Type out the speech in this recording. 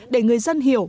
để người dân hiểu